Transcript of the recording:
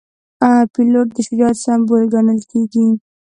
پیلوټ د شجاعت سمبول ګڼل کېږي.